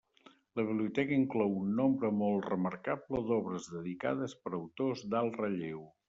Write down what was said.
La biblioteca inclou un nombre molt remarcable d'obres dedicades per autors d'alt relleu.